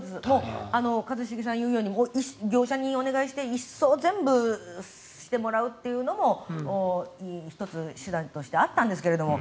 一茂さんが言うように業者にお願いしていっそ全部してもらうというのも１つ、手段としてあったんですけど